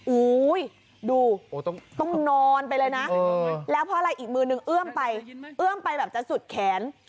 อุ้ยดูต้องนอนไปเลยนะแล้วเพราะอะไรอีกมือนึงเอื้อมไปเอื้อมไปแบบจะสุดแขน